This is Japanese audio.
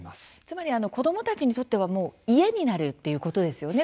つまり子どもたちにとってはもう家になるっていうことですよね？